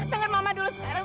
dengar mama dulu sayang